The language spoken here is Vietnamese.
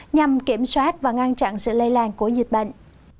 nhằm kiểm soát và ngăn chặn sự lây lan của dịch bệnh